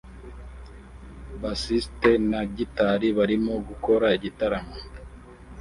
Bassiste na gitari barimo gukora igitaramo